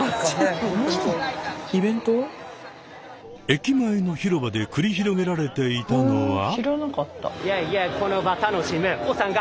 駅前の広場で繰り広げられていたのは。